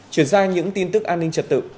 chuyển sang những tin tức an ninh trật tự